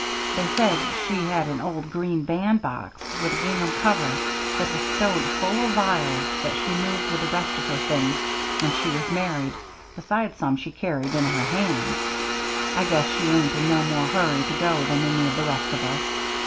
They said she had an old green bandbox with a gingham cover, that was stowed full o' vials, that she moved with the rest of her things when she was married, besides some she car'd in her hands. I guess she ain't in no more hurry to go than any of the rest of us.